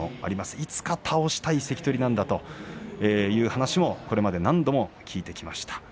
いつか倒したい関取だという話をこれまで何度も聞いてきました。